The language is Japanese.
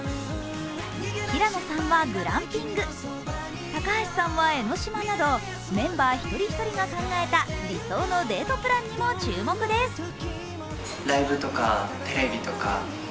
平野さんはグランピング、高橋さんは江の島など、メンバー一人一人が考えた理想のデートプランにも注目です。